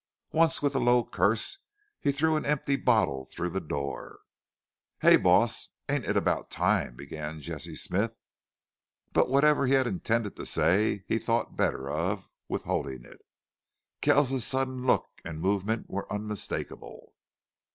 Once with a low curse he threw an empty bottle through the door. "Hey, boss, ain't it about time " began Jesse Smith. But whatever he had intended to say, he thought better of, withholding it. Kells's sudden look and movement were unmistakable.